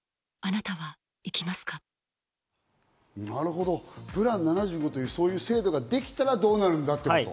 なるほど、プラン７５というそういう制度ができたらどうなるんだということ。